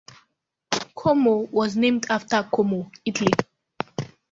Como was named after Como, Italy.